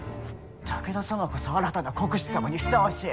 武田様こそ新たな国主様にふさわしい。